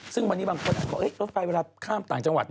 ซึ่งวันนี้บางคนก็ว่าลดไฟเวลาข้ามต่างจังหวัด